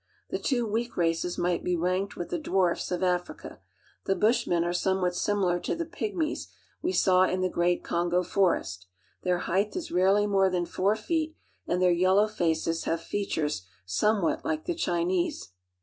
The two weak races might be ranked with the dwarfs of Africa. The Bushmen are somewhat similar to to the BRITISH SOUTH AFRICA I pygmies we saw in the great Kongo forest. Their height is rarely more than four feet, and their yellow faces have I features somewhat like the Chinese.